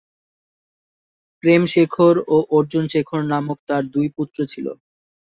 প্রেম শেখর ও অর্জুন শেখর নামক তার দুই পুত্র ছিল।